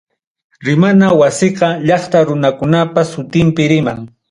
Rimana Wasiqa, llaqta runakunapa sutinpi riman.